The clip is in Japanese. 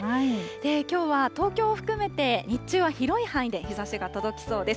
きょうは東京を含めて、日中は広い範囲で日ざしが届きそうです。